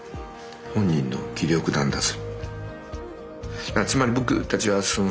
本人の気力なんだぞ！」。